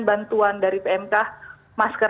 bantuan dari pmk masker